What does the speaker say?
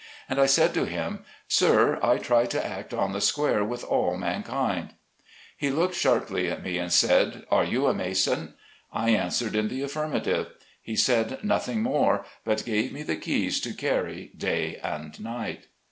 And I said to him, " Sir, I try to act on the square with all man kind." He looked sharply at me, and said, "Are you a mason?" I answered in the affirmative. He 38 SLAVE CABIN TO PULPIT. said nothing more, but gave me the keys to carry day and night.